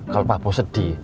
kalau pak bos sedih